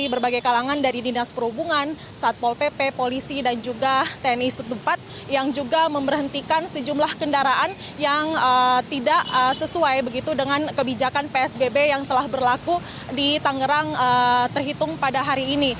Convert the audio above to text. berbagai kalangan dari dinas perhubungan satpol pp polisi dan juga tni yang juga memberhentikan sejumlah kendaraan yang tidak sesuai begitu dengan kebijakan psbb yang telah berlaku di tangerang terhitung pada hari ini